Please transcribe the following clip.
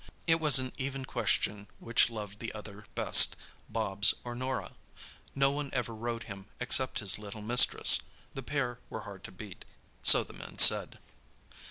It was an even question which loved the other best, Bobs or Norah. No one ever rode him except his little mistress. The pair were hard to beat—so the men said.